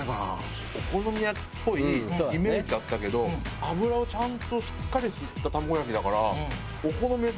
お好み焼きっぽいイメージだったけど油をちゃんとしっかり吸った卵焼きだから。